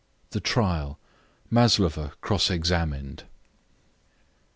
THE TRIAL MASLOVA CROSS EXAMINED.